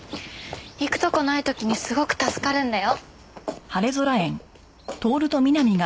行くとこない時にすごく助かるんだよ。